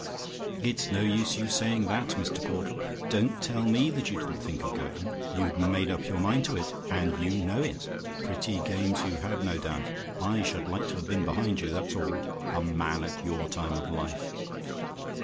It's no use your saying that, Mr. Caudle: don't tell me that you didn't think of going; you'd made up your mind to it, and you know it. Pretty games you've had, no doubt! I should like to have been behind you, that's all. A man at your time of life!